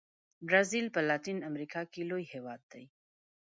برازیل په لاتین امریکا کې لوی هېواد دی.